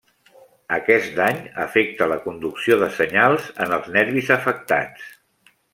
Aquest dany afecta la conducció de senyals en els nervis afectats.